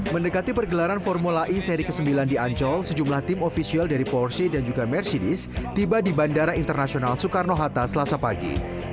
mendekati pergelaran formula e seri ke sembilan di ancol sejumlah tim ofisial dari porsi dan juga mercedes tiba di bandara internasional soekarno hatta selasa pagi